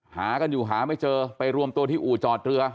หากันอยู่หาไม่เจอไปรวมตัวที่อู่จอดเรือ